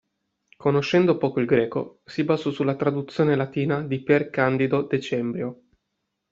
Conoscendo poco il greco, si basò sulla traduzione latina di Pier Candido Decembrio.